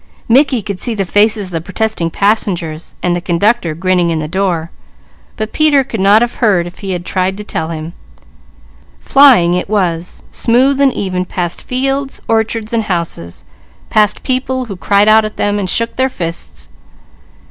Mickey could see the faces of the protesting passengers and the conductor grinning in the door, but Peter could not have heard if he had tried to tell him. Flying it was, smooth and even, past fields, orchards, and houses; past people who cried out at them and shook their fists.